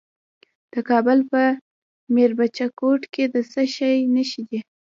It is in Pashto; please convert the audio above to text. د کابل په میربچه کوټ کې د څه شي نښې دي؟